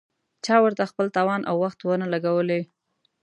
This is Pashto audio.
چا ورته خپل توان او وخت ونه لګولې.